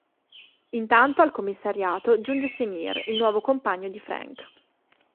Intanto al commissariato giunge Semir, il nuovo compagno di Frank.